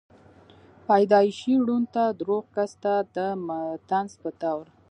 پېدائشي ړوند ته دَروغ کس ته دطنز پۀ طور